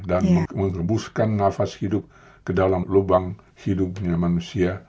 dan mengembuskan nafas hidup ke dalam lubang hidupnya manusia